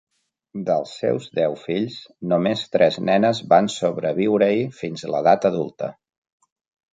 Dels seus deu fills, només tres nenes van sobreviure-hi fins l"edat adulta.